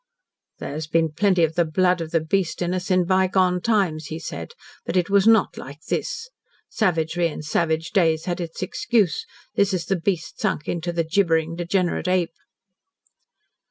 "There has been plenty of the blood of the beast in us in bygone times," he said, "but it was not like this. Savagery in savage days had its excuse. This is the beast sunk into the gibbering, degenerate ape."